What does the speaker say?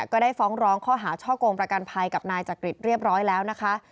ก็ได้ฟ้องร้องข้อหาช่อกงประกันภัยกับนายจักริตเรียบร้อยแล้วนะคะ